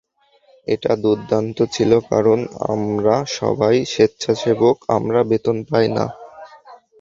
এটা দুর্দান্ত ছিল, কারণ আমরা সবাই স্বেচ্ছাসেবক, আমরা বেতন পাই না।